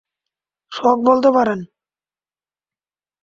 শখ বলতে পারেন।